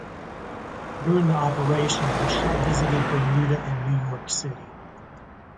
During the operation, the ship visited Bermuda and New York City.